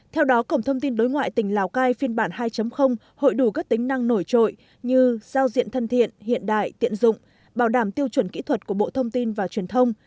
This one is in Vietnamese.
theo đó cổng thông tin đối ngoại tỉnh lào cai phiên bản hai hội đủ các tính năng nổi trội như giao diện thân thiện hiện đại tiện dụng bảo đảm tiêu chuẩn kỹ thuật của bộ thông tin và truyền thông